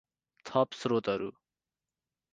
थप श्रोतहरु